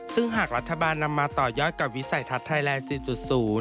ซึ่งหากรัฐบาลนำมาต่อยอดกับวิสัยทัศน์ไทยแลนด์๔๐